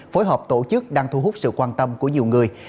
phối hợp tổ chức đang thu hút sự quan tâm của nhiều người